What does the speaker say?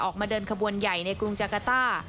ออกมาเดินขบวนใหญ่ในกรุงจากาต้า